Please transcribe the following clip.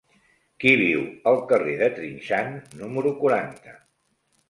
Qui viu al carrer de Trinxant número quaranta?